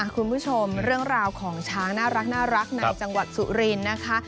คุณผู้ชมเรื่องราวของช้างน่ารักในจังหวัดสุรินทร์นะคะ